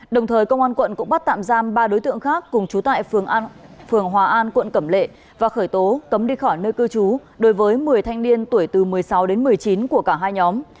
đồng thời công an quận cũng bắt tạm giam ba đối tượng khác cùng trú tại phường hòa an quận cẩm lệ và khởi tố cấm đi khỏi nơi cư trú đối với một mươi thanh niên tuổi từ một mươi sáu đến một mươi chín của cả hai nhóm